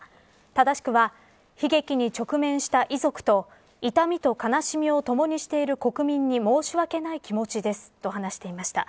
正しくは、悲劇に直面した遺族と痛みと悲しみを共にしている国民に申し訳ない気持ちですと話していました。